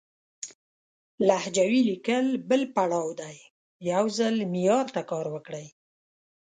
لهجوي ليکل بل پړاو دی، يو ځل معيار ته کار وکړئ!